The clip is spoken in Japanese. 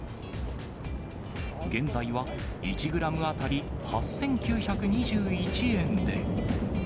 現在は１グラム当たり８９２１円で。